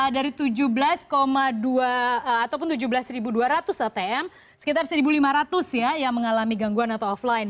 dari tujuh belas dua ataupun tujuh belas dua ratus atm sekitar satu lima ratus ya yang mengalami gangguan atau offline